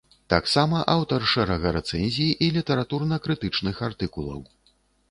Таксама аўтар шэрага рэцэнзій і літаратурна-крытычных артыкулаў.